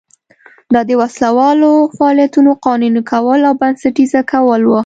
دا د وسله والو فعالیتونو قانوني کول او بنسټیزه کول و.